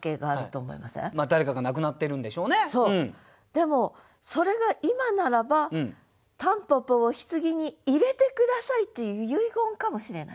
でも「それが今ならば蒲公英を柩に入れて下さい」っていう遺言かもしれないでしょ。